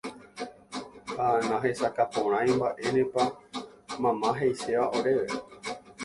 ha nahesakãporãi mba'énepa mama he'iséva oréve.